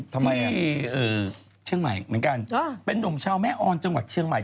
ทำไมอ่ะที่เออเชียงใหม่เหมือนกันอ่าเป็นดมชาวแม่อ่อนจังหวัดเชียงใหม่